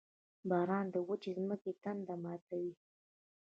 • باران د وچې ځمکې تنده ماتوي.